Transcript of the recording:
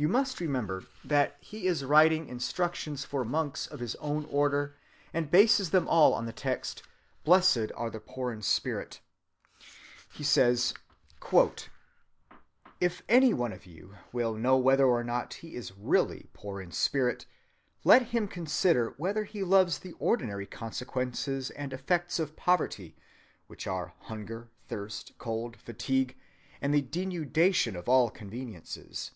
You must remember that he is writing instructions for monks of his own order, and bases them all on the text, "Blessed are the poor in spirit." "If any one of you," he says, "will know whether or not he is really poor in spirit, let him consider whether he loves the ordinary consequences and effects of poverty, which are hunger, thirst, cold, fatigue, and the denudation of all conveniences.